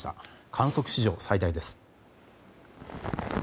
観測史上最大です。